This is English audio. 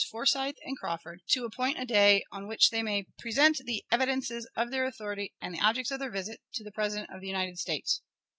Forsyth and Crawford, to appoint a day on which they may present the evidences of their authority and the objects of their visit to the President of the United States.